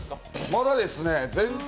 まだですね。